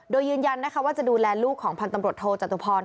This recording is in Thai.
โดยยืนยันว่าจะดูแลลูกของพันธมรตโทจัตุพร